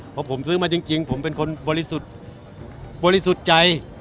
เพราะผมซื้อมาจริงผมเป็นคนบริสุทธิ์บริสุทธิ์ใจ